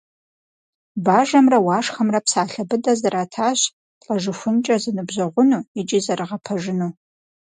Бажэмрэ Уашхэмрэ псалъэ быдэ зэратащ лӀэжыхункӀэ зэныбжьэгъуну икӀи зэрыгъэпэжыну.